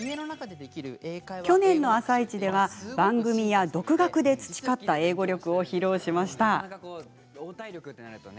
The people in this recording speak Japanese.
去年の「あさイチ」では番組や独学で培った英語力を披露しました。